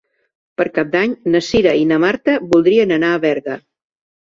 Per Cap d'Any na Cira i na Marta voldrien anar a Berga.